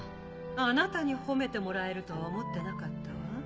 あなたに褒めてもらえるとは思ってなかったわ。